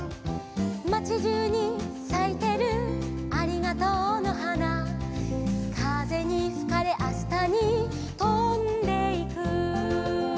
「まちじゅうにさいてるありがとうのはな」「かぜにふかれあしたにとんでいく」